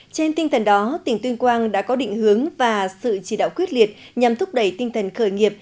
trên tinh thần đó tỉnh tuyên quang đã có định hướng và sự chỉ đạo quyết liệt nhằm thúc đẩy tinh thần khởi nghiệp